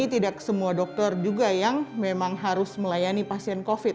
tidak semua dokter juga yang memang harus melayani pasien covid